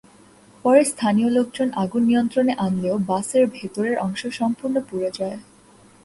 পরে স্থানীয় লোকজন আগুন নিয়ন্ত্রণে আনলেও বাসের ভেতরের অংশ সম্পূর্ণ পুড়ে যায়।